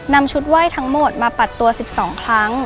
นำชุดไหว้ทั้งหมดมาปัดตัว๑๒ครั้ง